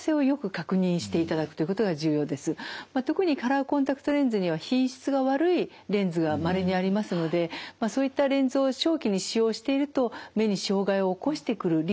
まあ特にカラーコンタクトレンズには品質が悪いレンズがまれにありますのでそういったレンズを長期に使用していると目に障害を起こしてくるリスクがあります。